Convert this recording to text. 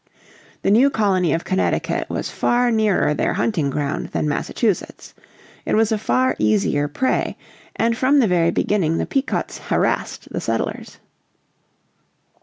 The new Colony of Connecticut was far nearer their hunting ground than Massachusetts. It was a far easier prey, and from the very beginning the Pequots harassed the settlers.